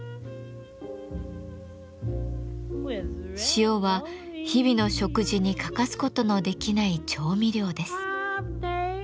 塩は日々の食事に欠かすことのできない調味料です。